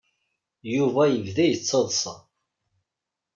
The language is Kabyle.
Yuba yebda yettaḍsa.